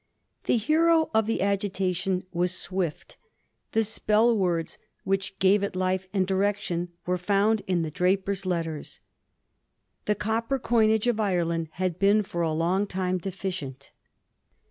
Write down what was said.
The hero of the agitation was Swift ; the speU words which gave it life and direction were found in ^ The Drapier's Letters.' The copper coinage of Ireland had been for a long time deficient.